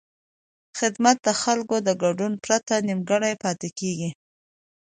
خدمت د خلکو د ګډون پرته نیمګړی پاتې کېږي.